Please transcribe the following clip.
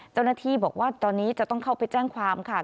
เจ้าหน้าที่บอกว่าตอนนี้จะต้องเข้าไปแจ้งความค่ะ